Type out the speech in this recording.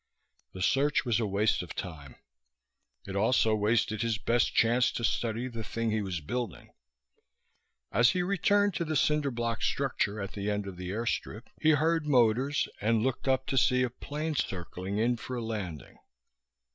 The search was a waste of time. It also wasted his best chance to study the thing he was building. As he returned to the cinder block structure at the end of the airstrip he heard motors and looked up to see a plane circling in for a landing.